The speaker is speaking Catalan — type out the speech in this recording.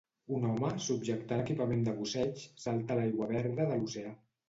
Un home, subjectant equipament de busseig, salta a l'aigua verda de l'oceà.